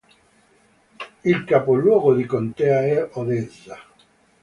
Il capoluogo di contea è Odessa.